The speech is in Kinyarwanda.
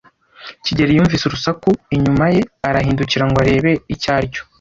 kigeli yumvise urusaku inyuma ye arahindukira ngo arebe icyo aricyo.